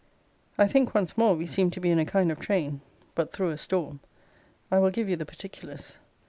I think once more we seem to be in a kind of train; but through a storm. I will give you the particulars.